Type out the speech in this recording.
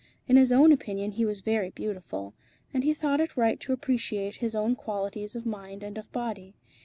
In his own opinion he was very beautiful, and he thought it right to appreciate his own qualities of mind and of body.